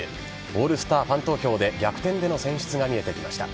オールスターファン投票で逆転での選出が見えてきました。